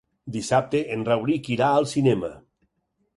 Dissabte en Rauric irà al cinema.